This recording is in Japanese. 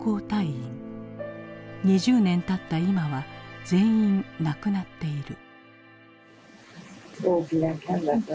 ２０年たった今は全員亡くなっている。